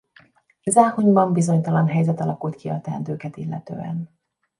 Záhonyban bizonytalan helyzet alakult ki a teendőket illetően.